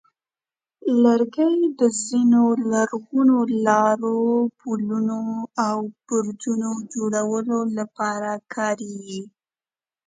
لرګي د ځینو لرغونو لارو، پلونو، او برجونو جوړولو لپاره کارېږي.